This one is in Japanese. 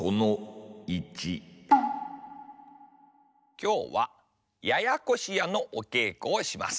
きょうはややこしやのおけいこをします。